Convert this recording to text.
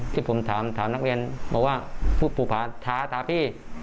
ที่ผมถามนักเรียนบอกว่าภูผาทาทาพี่